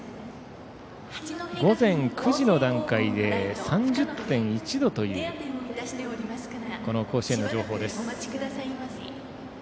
午前９時の段階で３０．１度というこの甲子園の情報です。